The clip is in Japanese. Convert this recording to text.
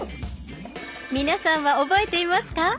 皆さんは覚えていますか？